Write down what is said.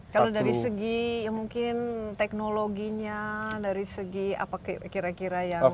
kalau dari segi mungkin teknologinya dari segi apa kira kira yang